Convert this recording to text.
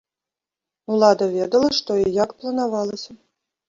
Улада ведала, што і як планавалася.